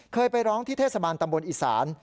เคยไปร้องที่เทศบาลตำบลอิสราร